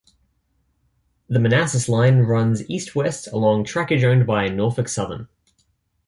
The Manassas Line runs east-west along trackage owned by Norfolk Southern.